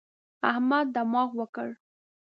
احمد دماغ وکړ.